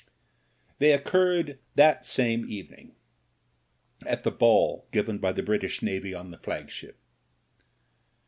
They occurred that same evening, at the ball given by the British Navy on the flagship.